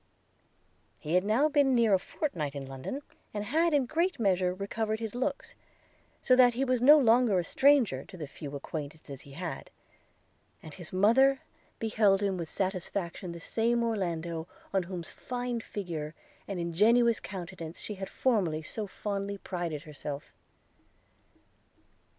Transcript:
He had now been near a fortnight in London, and had in a great measure recovered his looks – so that he was no longer a stranger to the few acquaintances he had: and his mother beheld with satisfaction the same Orlando, on whose fine figure and ingenuous countenance she had formerly so fondly prided herself.